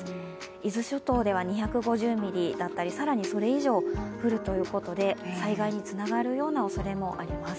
伊豆諸島では２５０ミリだったり更にそれ以上降るということで災害につながるようなおそれもあります。